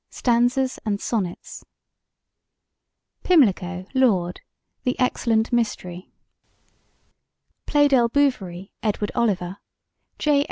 Stanzas and Sonnets PIMLICO, LORD: The Excellent Mystery PLEYDELL BOUVERIE, EDWARD OLIVER: J.